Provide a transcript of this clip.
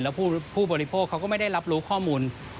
แล้วผู้บริโภคเขาก็ไม่ได้รับรู้ข้อมูล